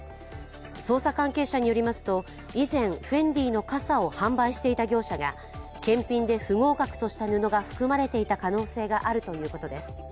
捜査関係者によりますと以前ＦＥＮＤＩの傘を販売していた業者が検品で不合格とした布が含まれていた可能性があるということです。